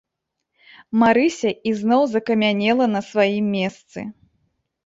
Марыся ізноў закамянела на сваім месцы.